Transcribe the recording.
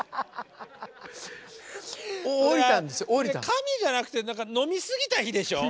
神じゃなくて飲みすぎた日でしょ？